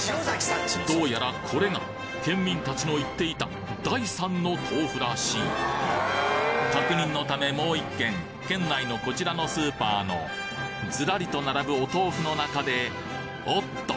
どうやらこれが県民たちの言っていた第三の豆腐らしい確認のためもう１軒県内のこちらのスーパーのずらりと並ぶお豆腐の中でおっと！